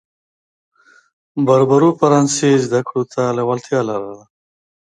بربرو فرانسې زده کړې ته لېوالتیا لرله.